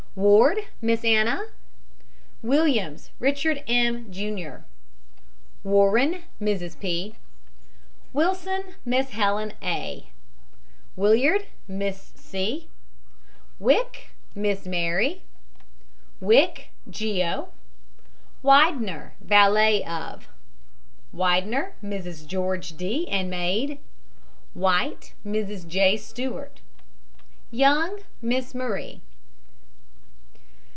WARD, MISS ANNA. WILLIAMS, RICHARD M., JR. WARREN, MRS. P. WILSON, MISS HELEN A. WILLIARD, MISS C. WICK, MISS MARY. WICK, GEO. WIDENER, valet of. WIDENER, MRS. GEORGE D., and maid. WHITE, MRS. J. STUART. YOUNG, MISS MARIE.